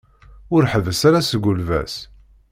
Ur ḥebbes ara seg ulbas.